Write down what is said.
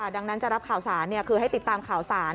ดังนั้นจะรับข่าวสารคือให้ติดตามข่าวสาร